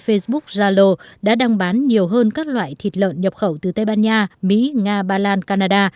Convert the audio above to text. facebook zalo đã đăng bán nhiều hơn các loại thịt lợn nhập khẩu từ tây ban nha mỹ nga bà lan canada